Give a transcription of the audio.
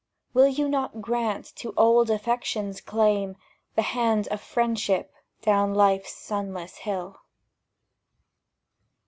— Will you not grant to old affection's claim The hand of friendship down Life's sunless hill?